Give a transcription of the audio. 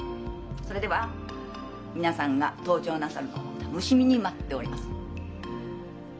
それでは皆さんが登庁なさるのを楽しみに待っております。